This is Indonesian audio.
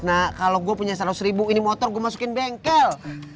punya enggak kagak punya tisna kalau gue punya seratus ini motor gue masukin bengkel